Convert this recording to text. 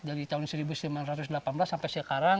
dari tahun seribu sembilan ratus delapan belas sampai sekarang